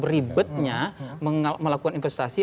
ribetnya melakukan investasi